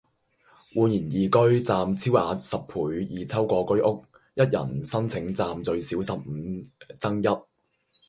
煥然懿居暫超額十倍易抽過居屋一人申請暫最少「十五爭一」